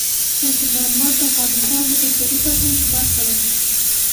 سنگ مرمر د افغانستان د بشري فرهنګ برخه ده.